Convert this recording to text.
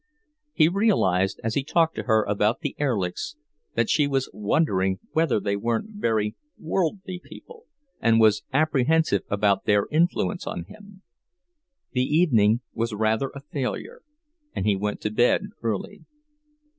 He realized, as he talked to her about the Erlichs, that she was wondering whether they weren't very "worldly" people, and was apprehensive about their influence on him. The evening was rather a failure, and he went to bed early.